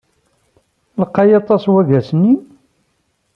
Lqay aṭas waggas-nni?